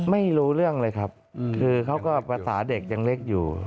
ไม่รู้เรื่องเลยครับคือเขาก็ภาษาเด็กยังเล็กอยู่